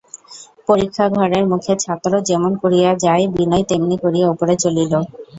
পরীক্ষাঘরের মুখে ছাত্র যেমন করিয়া যায় বিনয় তেমনি করিয়া উপরে চলিল।